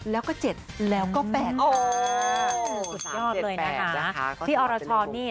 ๓๗๘นะคะที่ออรชรเนี่ย